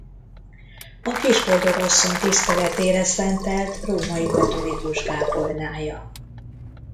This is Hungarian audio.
A Kisboldogasszony tiszteletére szentelt római katolikus kápolnája.